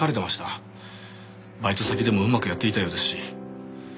バイト先でもうまくやっていたようですし。